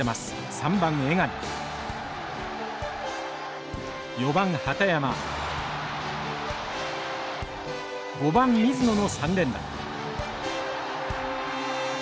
３番江上４番畠山５番水野の３連打。